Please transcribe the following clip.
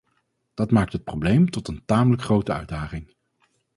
Dat maakt het probleem tot een tamelijk grote uitdaging.